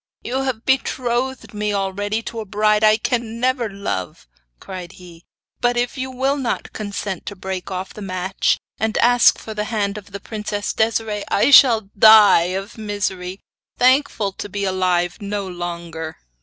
'You have betrothed me already to a bride I can never love!' cried he; 'but if you will not consent to break off the match, and ask for the hand of the princess Desiree, I shall die of misery, thankful to be alive no longer.